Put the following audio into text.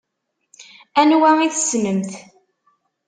Anwa i tessnemt?